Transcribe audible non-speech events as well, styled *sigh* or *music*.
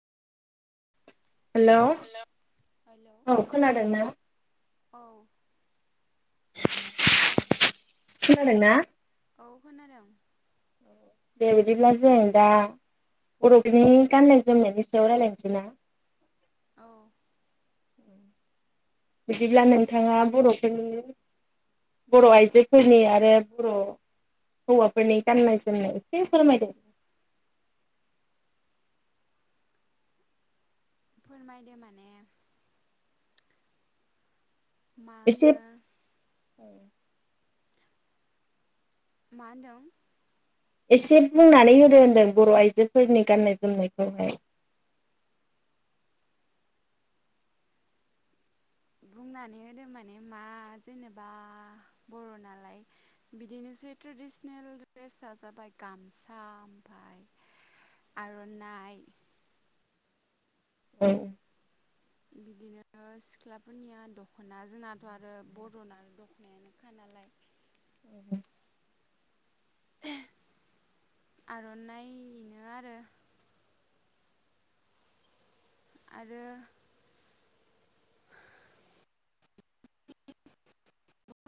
Hello hello औ खोनादों नों *inaudible* खोनादोंना? औ खोनादों। दे बिदिब्ला जों दा बर'फोरनि गाननाय जोमनायनि सायाव रायलायनोसै ना? औ बिदिब्ला नोंथाङा बर'फोरनि बर' आइजोफोरनि आरो बर' हौवाफोरनि गाननाय जोमनाय एसे फोरमायदो। फोरमायदो माने मा होनो? एसे मा होनदों? एसे बुंनानै होदो होनदों बर' आइजोफोरनि गाननाय जोमनायखौहाय। बुंनानै होदो माने मा जेनेबा बर' नालाय बिदिनोसै ट्रेडिसिनेल द्रेसा जाबाय गामसा ओमफाय आर'नाइ औ। बिदिनो सिख्लाफोरनिया दख'ना जोंनाथ' आरो बर'ना दख'नायानोखा नालाय। ओ आर'नाइ इनो आरो। आरो